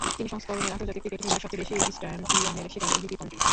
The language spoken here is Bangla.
তিন সংস্করণের আন্তর্জাতিক ক্রিকেট মিলিয়ে সবচেয়ে বেশি স্টাম্পিংয়ের শিকার রিকি পন্টিং।